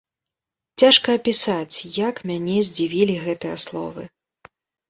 Цяжка апісаць, як мяне здзівілі гэтыя словы.